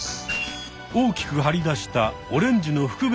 大きく張り出したオレンジの腹